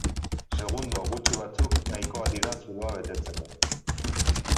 Segundo gutxi batzuk nahikoa dira zuloa betetzeko.